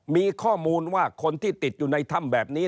มีข้อมูลว่าคนที่ติดอยู่ในถ้ำแบบนี้